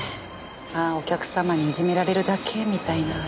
まあお客様にいじめられるだけみたいな仕事です。